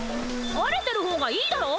晴れてる方がいいだろ！